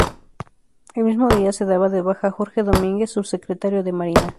El mismo día se daba de baja a Jorge Domínguez, subsecretario de Marina.